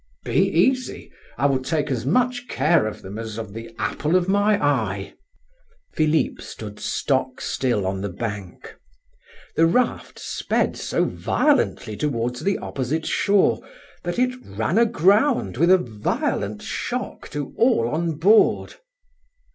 "Be easy; I will take as much care of them as of the apple of my eye." Philip stood stock still on the bank. The raft sped so violently towards the opposite shore that it ran aground with a violent shock to all on board.